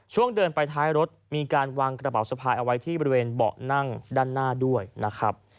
เดินไปท้ายรถมีการวางกระเป๋าสะพายเอาไว้ที่บริเวณเบาะนั่งด้านหน้าด้วยนะครับ